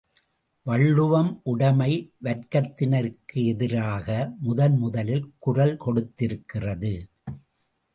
வள்ளுவம் உடைமை வர்க்கத்தினருக்கு எதிராக முதன்முதலில் குரல் கொடுத்திருக்கிறது.